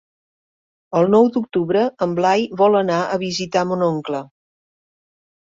El nou d'octubre en Blai vol anar a visitar mon oncle.